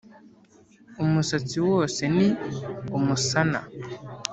Umusatsi wose ni umusana,